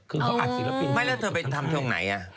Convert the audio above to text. คือเขาอัดศิลปินไม่แล้วเธอไปทำตรงไหน